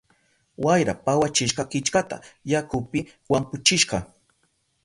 Wayra pawachishka killkata, yakupi wampuchishka.